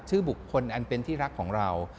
ชื่อบุคคลอันเป็นที่รักของเรา